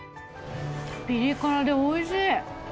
ピリ辛でおいしい！